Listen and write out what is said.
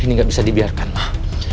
ini gak bisa dibiarkan mah